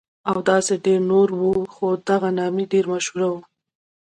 او داسې ډېر نور وو، خو دغه نامې ډېرې مشهورې وې.